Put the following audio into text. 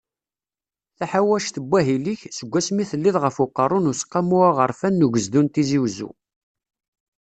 Taḥawact n wahil-ik, seg wasmi telliḍ ɣef uqerru n Useqqamu Aɣerfan n Ugezdu n Tizi Uzzu.